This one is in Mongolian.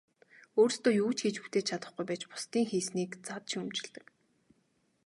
Өөрсдөө юу ч хийж бүтээж чадахгүй байж бусдын хийснийг зад шүүмжилдэг.